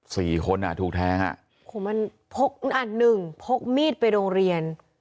สี่คนอ่ะถูกแทงอ่ะโอ้โหมันพกอันหนึ่งพกมีดไปโรงเรียน